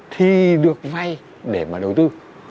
thì được vay để mà đầu tư